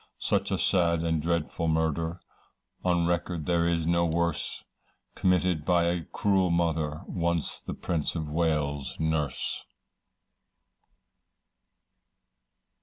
Such a sad and dreadful murder, On record there is no worse, Committed by a cruel mother, Once the Prince of Wales' Nurse.